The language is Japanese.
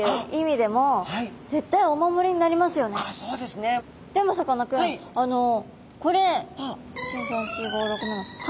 でもさかなクンこれ１２３４５６７